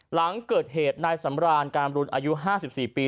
หลังเกิดเหตุนายสำรานการบรูญอายุห้าสิบสี่ปี